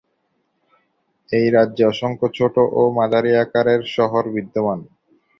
এই রাজ্যে অসংখ্য ছোটো ও মাঝারি আকারের শহর বিদ্যমান।